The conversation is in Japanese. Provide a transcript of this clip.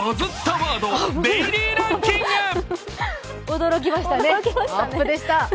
驚きましたね、アップでした。